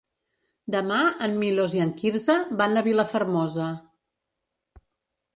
Demà en Milos i en Quirze van a Vilafermosa.